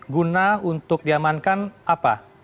guna untuk diamankan apa